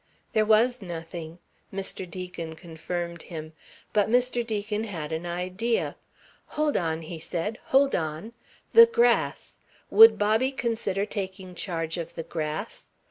There was nothing. Mr. Deacon confirmed him. But Mr. Deacon had an idea. Hold on, he said hold on. The grass. Would Bobby consider taking charge of the grass?